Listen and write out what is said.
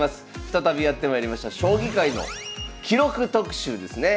再びやってまいりました将棋界の記録特集ですね。